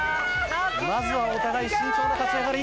まずはお互い慎重な立ち上がり。